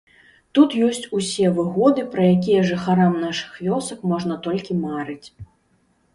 Тут ёсць усе выгоды, пра якія жыхарам нашых вёсак можна толькі марыць.